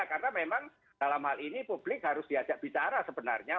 karena memang dalam hal ini publik harus diajak bicara sebenarnya